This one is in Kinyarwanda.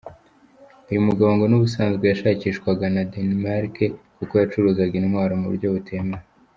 Uyu mugabo ngo n’ubusanzwe yashakishwaga na Danemark kuko yacuruzaga intwaro mu buryo butemewe.